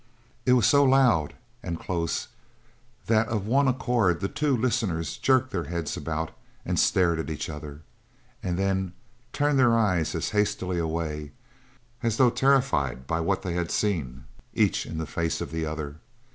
It was so loud and close that of one accord the two listeners jerked their heads about and stared at each other, and then turned their eyes as hastily away, as though terrified by what they had seen each in the face of the other.